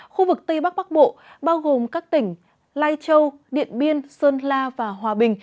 khu vực tây bắc bắc bộ bao gồm các tỉnh lai châu điện biên sơn la và hòa bình